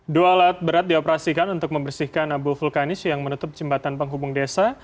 dua alat berat dioperasikan untuk membersihkan abu vulkanis yang menutup jembatan penghubung desa